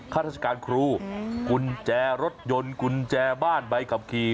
ข้าราชการครูกุญแจรถยนต์กุญแจบ้านใบขับขี่